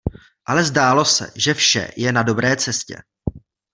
Ale zdálo se, že vše je na dobré cestě.